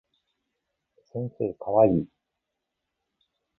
先生かわいい